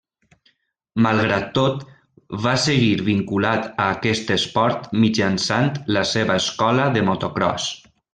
Malgrat tot, va seguir vinculat a aquest esport mitjançant la seva escola de motocròs.